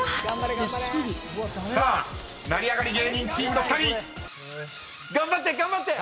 ［成り上がり芸人チームの２人］頑張って頑張って！